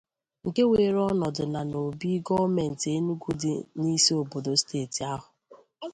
nke weere ọnọdụ naṅobi Gọọmenti Enugu dị n'isi obodo steeti ahụ.